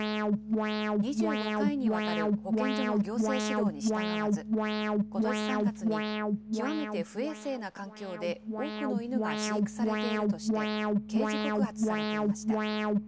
２５回にわたる保健所の行政指導に従わず、ことし３月に、極めて不衛生な環境で多くの犬が飼育されているとして、刑事告発されていました。